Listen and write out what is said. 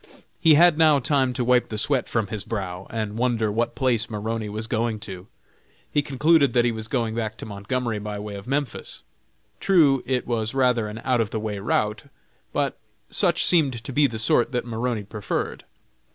He had now time to wipe the sweat from his brow, and wonder what place Maroney was going to. He concluded that he was going back to Montgomery by way of Memphis. True, it was rather an out of the way route, but such seemed to be the sort that Maroney preferred.